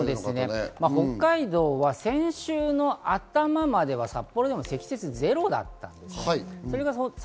北海道は先週の頭までは札幌は積雪ゼロだった。